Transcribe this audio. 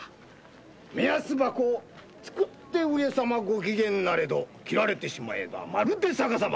「目安箱作って上様ご機嫌なれど切られてしまえばまるで逆様」